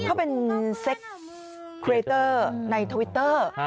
เขาเป็นเซ็กเครเตอร์ในทวิตเตอร์